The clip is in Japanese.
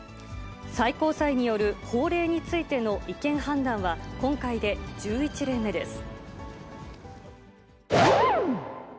最高裁による法令についての違憲判断は、今回で１１例目です。